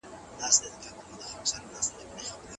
مچۍ د ګلانو په باغ کي البوځي.